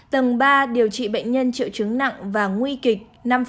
tầng ba điều trị bệnh nhân triệu chứng nặng và nguy kịch năm